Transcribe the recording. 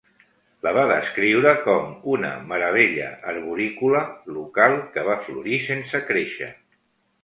La va descriure com una "meravella arborícola" local que "va florir sense créixer".